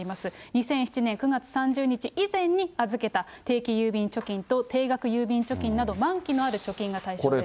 ２００７年９月３０日以前に預けた、定期郵便貯金と定額郵便貯金など満期のある貯金が対象です。